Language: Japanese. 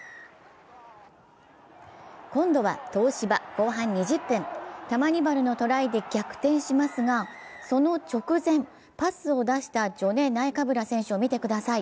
今度は東芝、後半２０分、タマニバルのトライで逆転しますが、その直前、パスを出したジョネ・ナイカブラ選手を見てください。